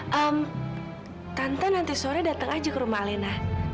tante nanti sore datang aja ke rumah alena